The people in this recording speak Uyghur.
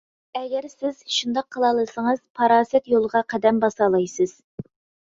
ئەگەر سىز شۇنداق قىلالىسىڭىز، پاراسەت يولىغا قەدەم باسالايسىز.